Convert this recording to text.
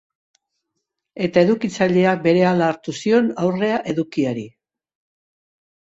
Eta edukitzaileak berehala hartu zion aurrea edukiari.